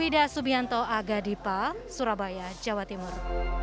dari surabaya jawa timur